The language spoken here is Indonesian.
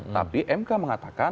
tapi mk mengatakan